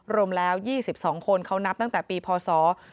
รวมแล้ว๒๒คนเขานับตั้งแต่ปีพศ๒๕๖